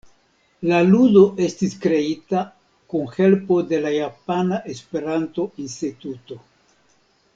La ludo estis kreita kun helpo de la Japana Esperanto-Instituto.